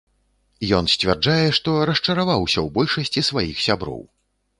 Ён сцвярджае, што расчараваўся ў большасці сваіх сяброў.